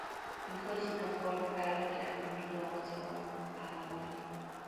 Den größten Erfolg feierte er mit "Lawrence von Arabien".